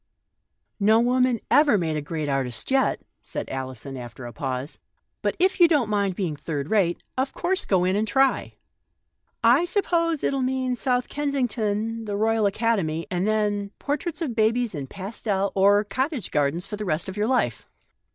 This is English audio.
" No woman ever made a great artist yet," said Alison, shrugging her shoulders, " but if you don't mind being third rate, of course go in and try. I suppose it'll mean South Ken sington, the Royal Academy, and then — por traits of babies in pastel or cottage gardens for the rest of your life."